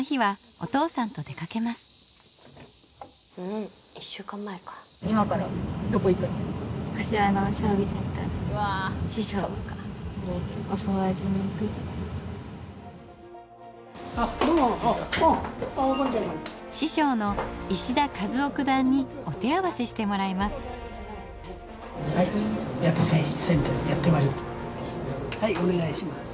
はいお願いします。